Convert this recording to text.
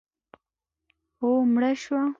او مړه شوه